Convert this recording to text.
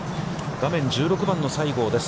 画面１６番の西郷です。